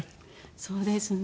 そうですね。